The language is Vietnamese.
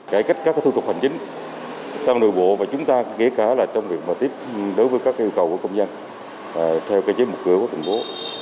cải cách các thủ tục hành chính trong nội bộ và chúng ta kể cả là trong việc tiếp đối với các yêu cầu của công dân theo cơ chế một cửa của thành phố